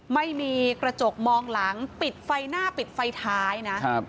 ไม่มีกระจกมองหลังปิดไฟหน้าปิดไฟท้ายนะครับ